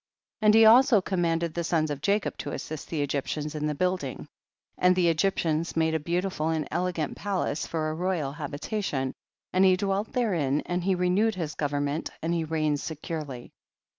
2. And he also commanded the sons of Jacob to assist the Egyj)tians in the building, and the Egyptians made a beautiful and elegant palace for a royal habitation, and he dwelt therein and he renewed his govern ment and he reigned securely.